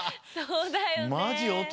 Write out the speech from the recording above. そうだよね。